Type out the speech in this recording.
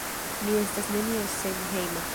Mi estas nenio senhejma...